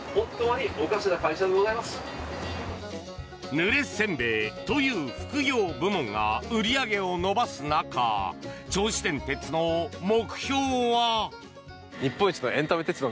ぬれ煎餅という副業部門が売り上げを伸ばす中銚子電鉄の目標は。